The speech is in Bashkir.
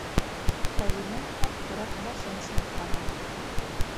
Хәлимә аптырап башын сайҡаны.